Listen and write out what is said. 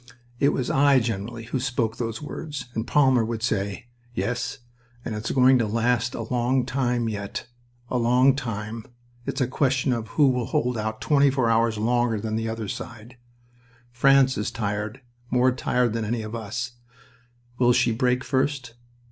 It was I, generally, who spoke those words, and Palmer would say: "Yes... and it's going to last a long time yet. A long time... It's a question who will hold out twenty four hours longer than the other side. France is tired, more tired than any of us. Will she break first?